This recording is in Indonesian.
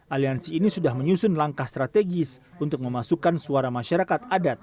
aliansi ini sudah menyusun langkah strategis untuk memasukkan suara masyarakat adat